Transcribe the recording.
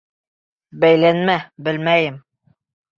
Бәйләнмә, белмәйем!